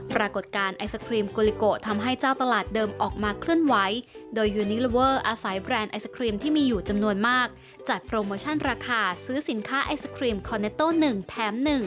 ปรากฏการณ์ไอศครีมโกลิโกทำให้เจ้าตลาดเดิมออกมาเคลื่อนไหวโดยยูนิลอเวอร์อาศัยแบรนด์ไอศครีมที่มีอยู่จำนวนมากจัดโปรโมชั่นราคาซื้อสินค้าไอศครีมคอมเนโต้๑แถม๑